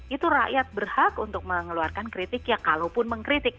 itu rakyat berhak untuk mengeluarkan kritik ya kalaupun mengkritik